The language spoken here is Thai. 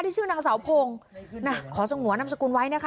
ชื่อนางสาวพงศ์น่ะขอสงวนนามสกุลไว้นะคะ